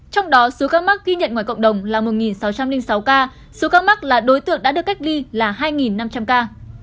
trong đó số ca mắc ghi nhận ngoài cộng đồng là một sáu trăm linh sáu ca số ca mắc là đối tượng đã được cách ly là hai năm trăm linh ca